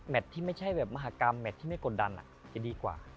แมตรที่ไม่ใช่มหากรรมแมตรที่ไม่กดดันจะดีกว่า